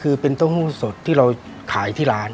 คือเป็นเต้าหู้สดที่เราขายที่ร้าน